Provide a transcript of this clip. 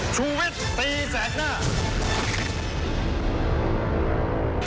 ชูวิทย์ตีแสกหน้า